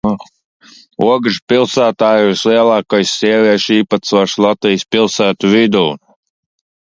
Ogres pilsētā ir vislielākais sieviešu īpatsvars Latvijas pilsētu vidū.